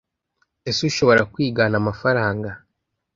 ese ushobora kwigana amafaranga